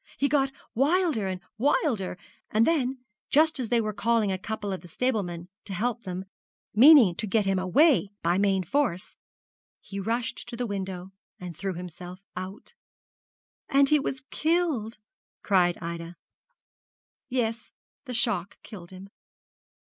He got wilder and wilder; and then, just as they were calling a couple of the stablemen to help them, meaning to get him away by main force, he rushed to the window and threw himself out.' 'And he was killed!' cried Ida. 'Yes; the shock killed him.